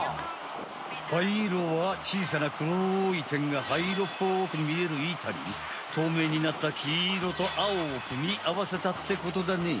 はいいろはちいさなくろい点がはいいろっぽくみえるいたにとうめいになったきいろとあおをくみあわせたってことだね。